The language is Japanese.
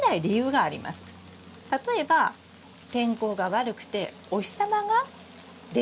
例えば天候が悪くてお日様が出ていない。